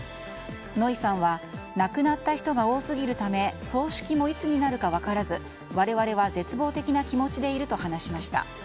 ノイさんは亡くなった人が多すぎるため葬式もいつになるか分からず我々は絶望的な気持ちでいると話しました。